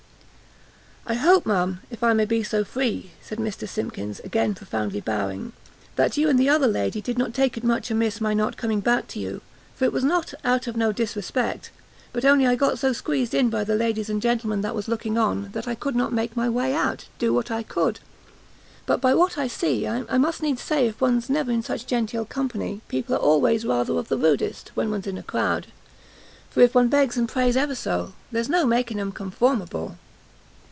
"I hope, ma'am, if I may be so free," said Mr Simkins, again profoundly bowing, "that you and the other lady did not take it much amiss my not coming back to you, for it was not out of no disrespect, but only I got so squeezed in by the ladies and gentlemen that was looking on, that I could not make my way out, do what I could. But by what I see, I must needs say if one's never in such genteel company, people are always rather of the rudest when one's in a crowd, for if one begs and prays never so, there's no making 'em conformable."